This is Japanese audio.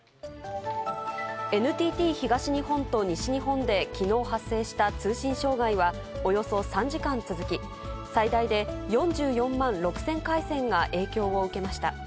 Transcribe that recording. ＮＴＴ東日本と西日本できのう発生した通信障害は、およそ３時間続き、最大で４４万６０００回線が影響を受けました。